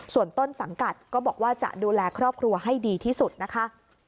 ส่วนต้นสังกัดก็บอกว่าจะดูแลครอบครัวให้ดีที่สุดนะคะ